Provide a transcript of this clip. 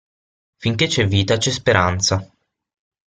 Finché c'è vita, c'è speranza.